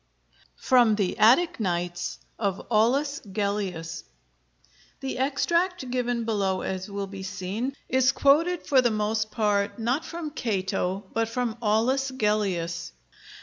FROM THE 'ATTIC NIGHTS' OF AULUS GELLIUS [The extract given below, as will be seen, is quoted for the most part not from Cato but from Aulus Gellius.